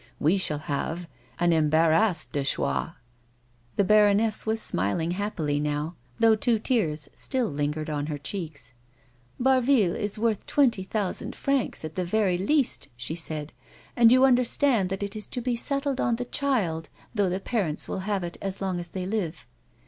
We shall have an embarras de choix." The baroness was smiling happily now, though two tears still lingered on her cheeks. " Bar 7ille is worth twenty thousand francs, at the very least," she said ;" and you understand that it is to be settled on the child though the parents will have it as long as they live."